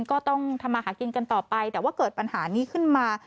ก็ต้องทำมาหากินกันต่อไปแต่ว่าเกิดปัญหานี้ขึ้นมา